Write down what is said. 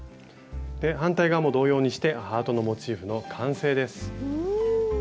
反対側も同様にしてハートのモチーフの完成です。